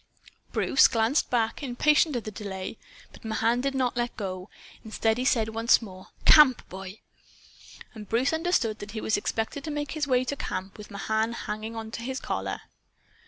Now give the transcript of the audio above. Bruce glanced back, impatient at the delay. But Mahan did not let go. Instead he said once more: "CAMP, boy!" And Bruce understood he was expected to make his way to camp, with Mahan hanging on to his collar.